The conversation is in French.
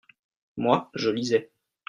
moi, je lisais.